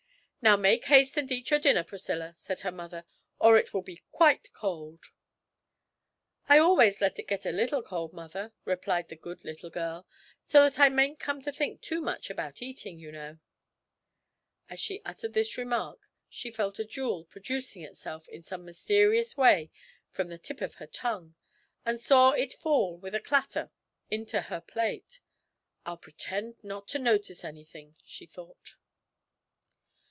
'Now make haste and eat your dinner, Priscilla,' said her mother, 'or it will be quite cold.' 'I always let it get a little cold, mother,' replied the good little girl, 'so that I mayn't come to think too much about eating, you know.' As she uttered this remark, she felt a jewel producing itself in some mysterious way from the tip of her tongue, and saw it fall with a clatter into her plate. 'I'll pretend not to notice anything,' she thought.